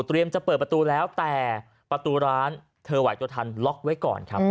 เตรียมจะเปิดประตูแล้วแต่ประตูร้านเธอหวัยโจทนล๊อคไว้ก่อนครับ